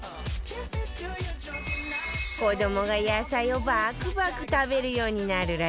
子どもが野菜をバクバク食べるようになるらしいわよ